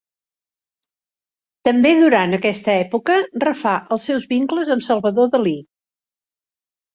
També durant aquesta època refà els seus vincles amb Salvador Dalí.